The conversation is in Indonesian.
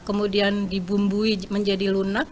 kemudian dibumbui menjadi lunak